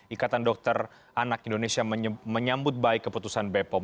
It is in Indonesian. ikatan dokter anak indonesia menyambut baik keputusan bepom